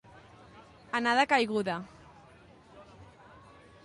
Anar de caiguda.